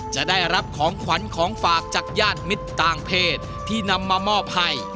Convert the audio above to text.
จะได้รับของขวัญของฝากจากญาติมิตรต่างเพศที่นำมามอบให้